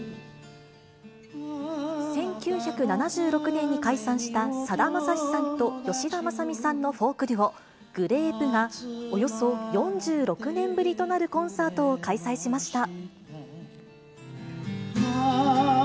１９７６年に解散した、さだまさしさんと吉田政美さんのフォークデュオ、グレープが、およそ４６年ぶりとなるコンサートを開催しました。